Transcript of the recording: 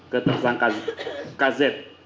ke tersangka kz